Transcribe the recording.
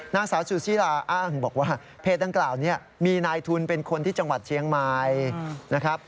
นางสาวซูซิลาอ้างบอกว่าเพจดังกล่าวนี้มีนายทุนเป็นคนที่จังหวัดเชียงใหม่นะครับ